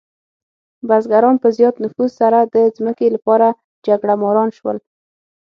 بزګران په زیات نفوس سره د ځمکې لپاره جګړهماران شول.